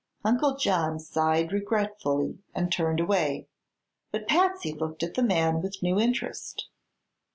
Uncle John sighed regretfully and turned away, but Patsy looked at the man with new interest.